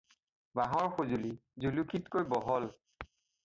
বাঁহৰ সজুলি, জুলুকিতকৈ বহল।